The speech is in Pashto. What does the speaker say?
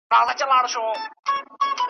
وږی نس دي له وښو څخه محروم دی .